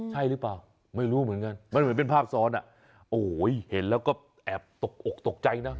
ใช่หรือเปล่าไม่รู้เหมือนกันมันเหมือนเป็นภาพซ้อนอ่ะโอ้โหเห็นแล้วก็แอบตกอกตกใจนะ